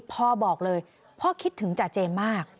บอกเลยพ่อคิดถึงจ่าเจมส์มาก